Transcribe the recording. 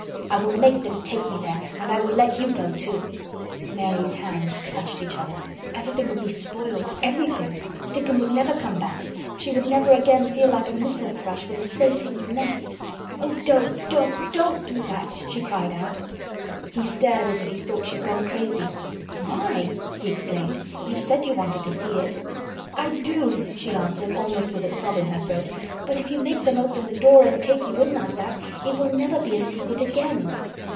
"I will make them take me there and I will let you go, too." Mary's hands clutched each other. Everything would be spoiled—everything! Dickon would never come back. She would never again feel like a missel thrush with a safe hidden nest. "Oh, don't—don't—don't—don't do that!" she cried out. He stared as if he thought she had gone crazy! "Why?" he exclaimed. "You said you wanted to see it." "I do," she answered almost with a sob in her throat, "but if you make them open the door and take you in like that it will never be a secret again."